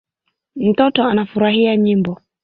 Mtoto anafurahia nyimbo